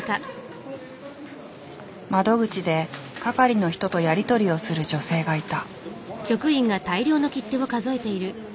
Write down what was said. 窓口で係の人とやり取りをする女性がいた。